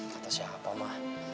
kata siapa mah